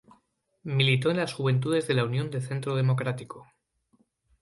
Militó en las juventudes de la Unión de Centro Democrático.